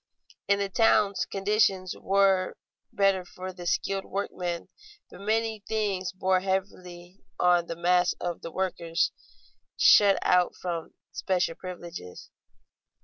In the towns conditions were better for the skilled workmen, but many things bore heavily on the mass of the workers shut out from special privileges.